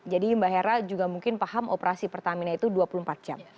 jadi mbak hera juga mungkin paham operasi pertamina itu dua puluh empat jam